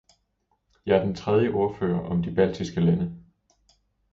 Jeg er den tredje ordfører om de baltiske lande.